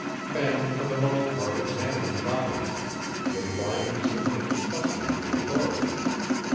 Men, for the most part, examine nothing: they blindly submit to custom and authority.